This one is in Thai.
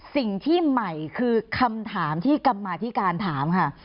สิ่งที่ใหม่คือคำถามที่กรรมาธิการถามค่ะ